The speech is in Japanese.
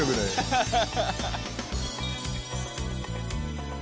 ハハハハ！